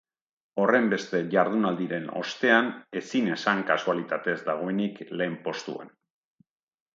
Horrenbeste jardunaldiren ostean ezin esan kasualitatez dagoenik lehen postuan.